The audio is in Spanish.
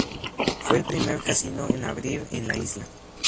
Fue el primer Casino en abrir en la isla.